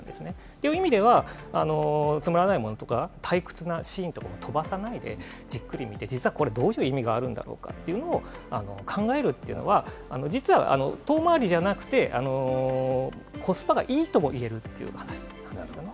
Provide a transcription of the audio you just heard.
という意味では、つまらないものとか、退屈なシーンとかも飛ばさないで、じっくり見て、実はこれ、どういう意味があるんだろうかというのを考えるっていうのが、実は遠回りじゃなくて、コスパがいいともいえるという話なんですね。